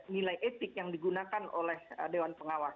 nilai etik yang digunakan oleh dewan pengawas